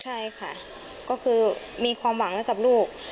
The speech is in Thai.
ใช่ค่ะก็คือมีความหวังให้กับลูก